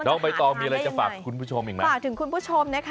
ไม่ต้องไปตอมีอะไรจะฝากทุกคุณผู้ชมอย่างไร